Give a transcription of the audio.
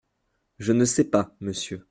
Je ne sais pas, Monsieur.